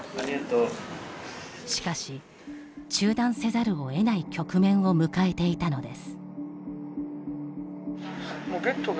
しかし、中断せざるをえない局面を迎えていたのです。